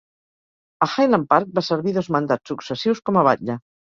A Highland Park va servir dos mandats successius com a batlle